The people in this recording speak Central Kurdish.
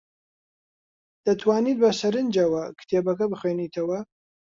دەتوانیت بەسەرنجەوە کتێبەکە بخوێنیتەوە؟